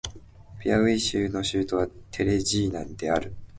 ピアウイ州の州都はテレジーナである